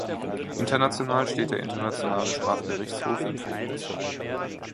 International steht der Internationale Strafgerichtshof im Fokus.